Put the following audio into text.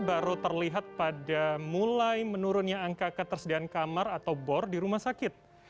baru terlihat pada mulai menurunnya angka ketersediaan kamar atau bor di rumah sakit